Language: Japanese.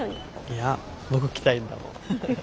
いや僕来たいんだもん。